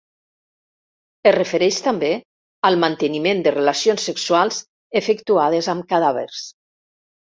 Es refereix també al manteniment de relacions sexuals efectuades amb cadàvers.